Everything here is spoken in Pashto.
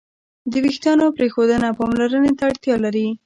د وېښتیانو پرېښودنه پاملرنې ته اړتیا لري.